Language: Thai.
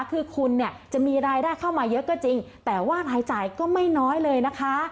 คือคุณเนี่ยจะมีรายได้เข้ามาเยอะก็จริงแต่ว่ารายจ่ายก็ไม่น้อยเลยนะคะ